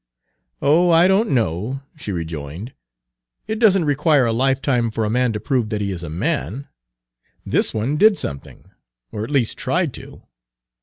"Oh, I don't know," she rejoined. "It does n't require a lifetime for a man to prove that he is a man. This one did something, or at least tried to."